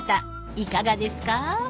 ［いかがですか？］